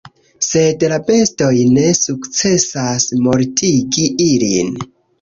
Sed la bestoj ne sukcesas mortigi ilin.